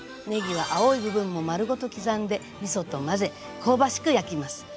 ねぎは青い部分も丸ごと刻んでみそと混ぜ香ばしく焼きます。